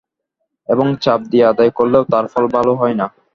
এবং চাপ দিয়ে আদায় করলেও তার ফল ভালো হয় না।